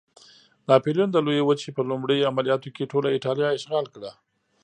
ناپلیون د لویې وچې په لومړي عملیاتو کې ټوله اېټالیا اشغال کړه.